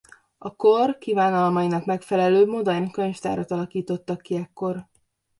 A kor kívánalmainak megfelelő modern könyvtárat alakítottak ki ekkor.